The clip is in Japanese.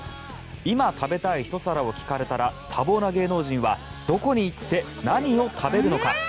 今食べたいひと皿を聞かれたら多忙な芸能人はどこに行って何を食べるのか。